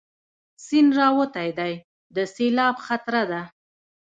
سيند راوتی دی، د سېلاب خطره ده